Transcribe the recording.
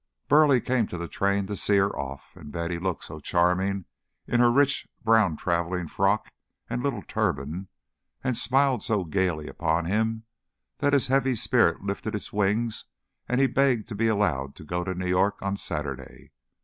Burleigh came to the train to see her off, and Betty looked so charming in her rich brown travelling frock and little turban, and smiled so gayly upon him, that his heavy spirit lifted its wings and he begged to be allowed to go to New York on Saturday.